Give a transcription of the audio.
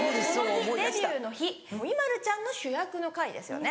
デビューの日ＩＭＡＬＵちゃんの主役の会ですよね。